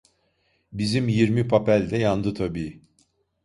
Bizim yirmi papel de yandı tabii…